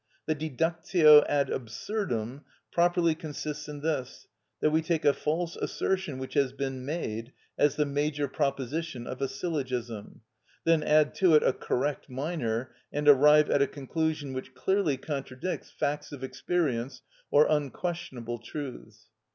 The deductio ad absurdum properly consists in this, that we take a false assertion which has been made as the major proposition of a syllogism, then add to it a correct minor, and arrive at a conclusion which clearly contradicts facts of experience or unquestionable truths.